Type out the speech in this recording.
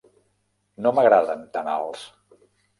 No m'agraden tan alts.